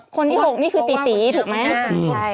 คนที่๖นี่คือตีตีถูกไหม